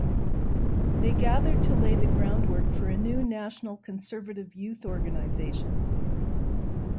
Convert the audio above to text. They gathered to lay the groundwork for a new national conservative youth organization.